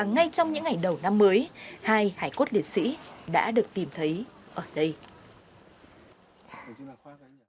ngày đầu năm mới hai hải cốt liệt sĩ đã được tìm thấy ở đây